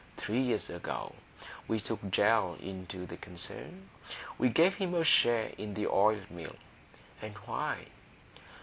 Three years ago we took Gell into the concern; we gave him a share in the oil mill. And why?